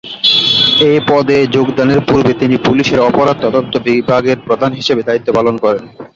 এ পদে যোগদানের পূর্বে তিনি পুলিশের অপরাধ তদন্ত বিভাগের প্রধান হিসেবে দায়িত্ব পালন করেন।